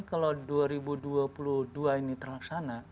kalau dua ribu dua puluh dua ini terlaksana